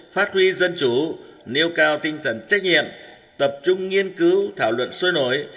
phát huy dân chủ nêu cao tinh thần trách nhiệm tập trung nghiên cứu thảo luận sôi nổi